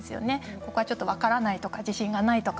ここは分からないとか自信がないとか。